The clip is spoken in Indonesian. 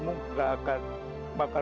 nanti saat kita berantakan